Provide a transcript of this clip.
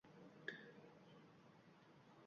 Shaytonsifat kaslar kezar bisyor, toʼp-toʼp.